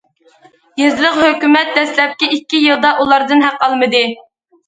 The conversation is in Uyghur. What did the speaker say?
يېزىلىق ھۆكۈمەت دەسلەپكى ئىككى يىلدا ئۇلاردىن ھەق ئالمىدى.